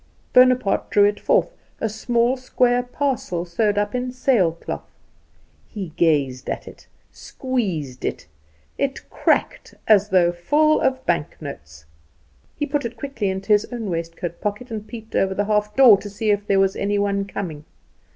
Bonaparte drew it forth a small, square parcel, sewed up in sail cloth. He gazed at it, squeezed it; it cracked, as though full of bank notes. He put it quickly into his own waistcoat pocket, and peeped over the half door to see if there was any one coming.